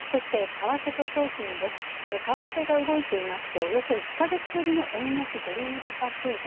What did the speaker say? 為替が動いていまして、およそ１か月ぶりの円安ドル高水準。